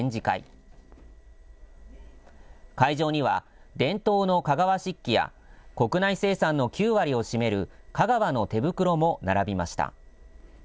会場には、伝統の香川漆器や、国内生産の９割を占める香川の手袋も並びました。